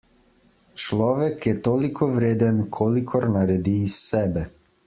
Človek je toliko vreden, kolikor naredi iz sebe.